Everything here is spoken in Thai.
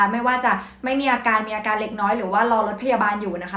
ไม่ว่าจะไม่มีอาการมีอาการเล็กน้อยหรือว่ารอรถพยาบาลอยู่นะคะ